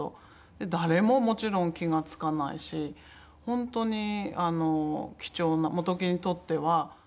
誰ももちろん気が付かないし本当に貴重な本木にとっては。